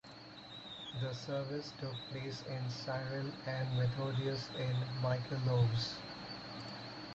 The service took place in Cyril and Methodius in Michalovce.